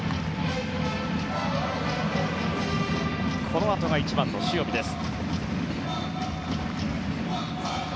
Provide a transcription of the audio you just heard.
このあとが１番の塩見です。